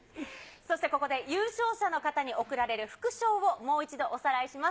そしてここで優勝者の方に贈られる副賞をもう一度おさらいします。